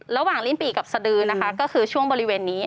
ลิ้นปี่กับสดือนะคะก็คือช่วงบริเวณนี้